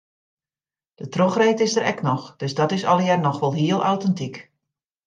De trochreed is der ek noch, dus dat is allegear noch wol heel autentyk.